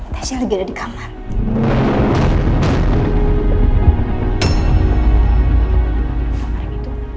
tesnya lagi ada di kamar